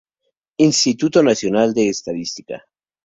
Instituto Nacional de Estadística.